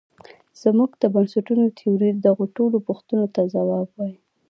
زموږ د بنسټونو تیوري دغو ټولو پوښتونو ته ځواب وايي.